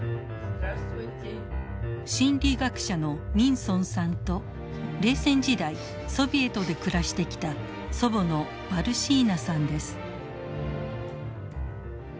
心理学者のミンソンさんと冷戦時代ソビエトで暮らしてきた祖母のバルシーナさんです。